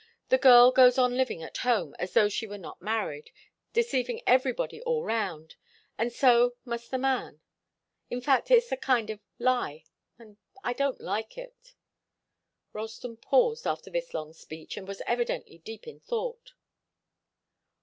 The girl goes on living at home as though she were not married, deceiving everybody all round and so must the man. In fact it's a kind of lie, and I don't like it." Ralston paused after this long speech, and was evidently deep in thought.